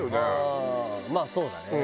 ああまあそうだね。